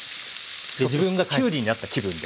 自分がきゅうりになった気分で。